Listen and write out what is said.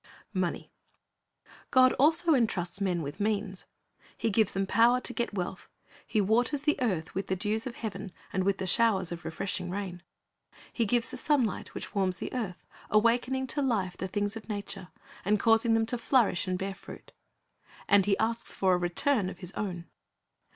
MONEY God also entrusts men with means. He gives them power to get wealth. He waters the earth with the dews of heaven, and with the showers of refreshing rain. He gives the sunlight, which warms the earth, awakening to life the things of nature, and causing them to flourish and bear fruit. And He asks for a return of His own.